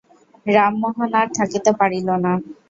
রামমোহন আর থাকিতে পারিল না।